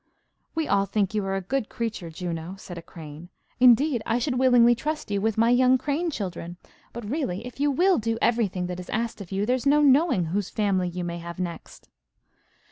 "We all think you are a good creature, Juno," said a crane. "Indeed, I should willingly trust you with my young crane children, but really, if you will do everything that is asked of you, there's no knowing whose family you may have next."